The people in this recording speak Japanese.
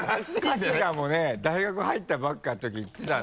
春日もね大学入ったばっかりのとき言ってたの。